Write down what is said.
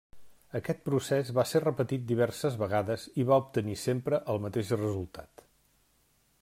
Aquest procés va ser repetit diverses vegades, i va obtenir sempre el mateix resultat.